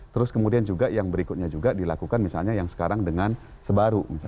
terus kemudian juga yang berikutnya juga dilakukan misalnya yang sekarang dengan sebaru